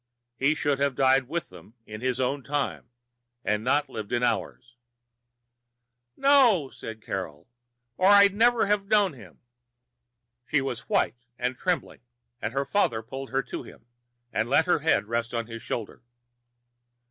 He should have died with them in his own time and not lived into ours." "No," said Carol, "or I'd never have known him." She was white and trembling, and her father pulled her to him and let her head rest on his shoulder.